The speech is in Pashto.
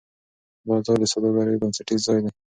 بازار د سوداګرۍ بنسټیز ځای دی.